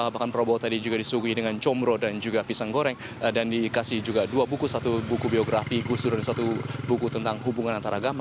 bahkan prabowo tadi juga disuguhi dengan comro dan juga pisang goreng dan dikasih juga dua buku satu buku biografi gus dur dan satu buku tentang hubungan antaragama